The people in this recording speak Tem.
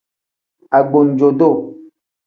Agbanjo-duu.